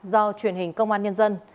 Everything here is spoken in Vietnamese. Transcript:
do truyền hình công an nhân dân